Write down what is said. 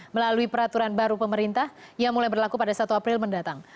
melalui peraturan baru pemerintah yang mulai berlaku pada satu april mendatang